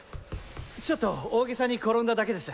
ちょっと大ゲサに転んだだけです。